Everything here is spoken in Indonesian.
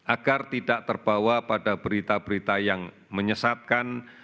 agar tidak terbawa pada berita berita yang menyesatkan